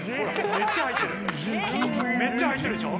めっちゃ入ってるでしょ？